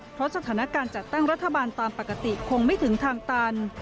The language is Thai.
เพราะสถานการณ์จัดตั้งรัฐบาลตามปกติคงไม่ถึงทางตัน